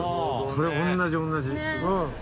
それ同じ同じ。ねぇ。